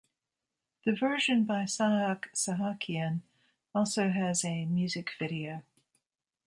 The version by Sahak Sahakyan also has a music video.